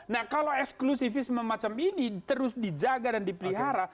nah kalau eksklusifisme macam ini terus dijaga dan dipelihara